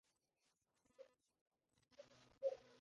Burton is a native of the Stoneybatter area of Dublin.